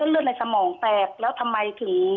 เลือดในสมองแตกแล้วทำไมถึง